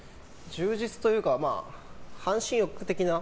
充実というか半身浴的な。